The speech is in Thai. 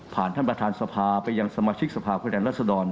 ผ่านท่านประธานสภาไปยังสมาชิกสภาพุทธแหล่งรัฐศดร